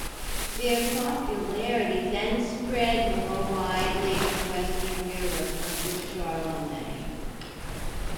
Their popularity then spread more widely in western Europe under Charlemagne.